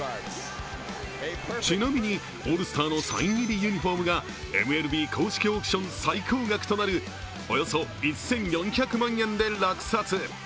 ちなみに、オールスターのサイン入りユニフォームがＭＬＢ公式オークション最高額となるおよそ１４００万円で落札。